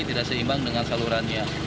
tidak seimbang dengan salurannya